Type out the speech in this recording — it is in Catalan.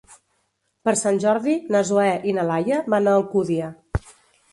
Per Sant Jordi na Zoè i na Laia van a Alcúdia.